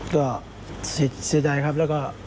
ก็เสียใจครับแล้วก็